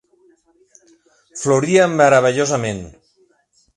Floria meravellosament